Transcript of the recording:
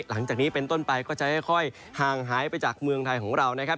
หลังจากนี้เป็นต้นไปก็จะค่อยห่างหายไปจากเมืองไทยของเรานะครับ